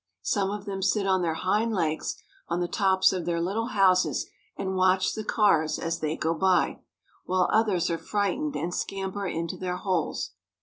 Some of them sit on their hind legs, on the tops of their little houses, and watch the cars as they go by, while others are frightened and scamper into their holes.